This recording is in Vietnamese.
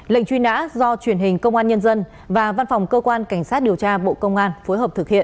lệnh truy nã do truyền hình công an nhân dân và văn phòng cơ quan cảnh sát điều tra bộ công an phối hợp thực hiện